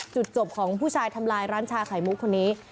จุดจบของผู้ชายทำลายร้านชาไข่มุกคนนี้